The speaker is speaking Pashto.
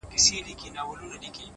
o شپه په خندا ده ـ سهار حیران دی ـ